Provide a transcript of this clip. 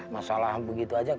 masalah begitu aja